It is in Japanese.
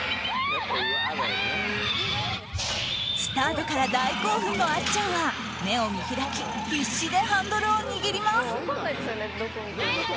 スタートから大興奮のあっちゃんは目を見開き必死でハンドルを握ります。